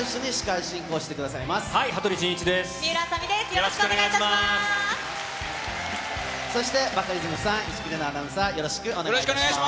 よろしくお願そしてバカリズムさん、市來玲奈アナウンサー、よろしくお願いします。